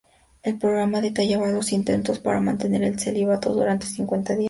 El programa detallaba los intentos para mantener el celibato durante cincuenta días.